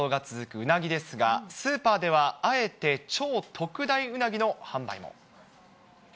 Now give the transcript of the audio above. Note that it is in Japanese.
うなぎですが、スーパーでは、あえて超特大うなぎの販売も。